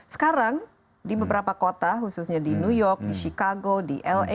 sekarang di beberapa kota khususnya di new york di chicago di la